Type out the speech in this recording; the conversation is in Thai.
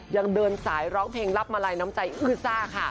ยังเดินสายร้องเพลงรับมาลัยน้ำใจอื้อซ่าค่ะ